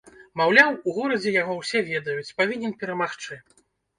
Маўляў, у горадзе яго ўсе ведаюць, павінен перамагчы.